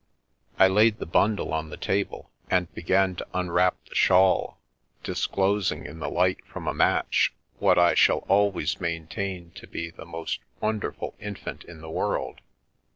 I laid the bundle on the table and began to unwrap the The Milky Way shawl, disclosing, in the light from a match, what ] shall always maintain to be the most wonderful infan in the world.